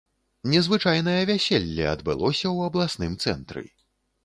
Незвычайнае вяселле адбылося у абласным цэнтры.